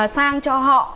sang cho họ